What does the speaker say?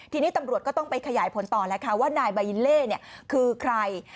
ทีนี้ตำรวจก็ต้องไปขยายผลต่อแล้วค่ะว่านายบายิลเล่คือใคร